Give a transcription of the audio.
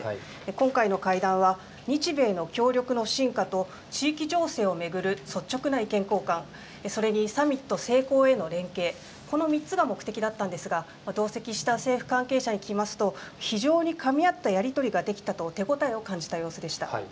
今回の会談は日米の協力の深化と、地域情勢を巡る率直な意見交換、それにサミット成功への連携、この３つが目的だったんですが、同席した政府関係者に聞きますと、非常にかみ合ったやり取りができたと、手応えを感じた様子でした。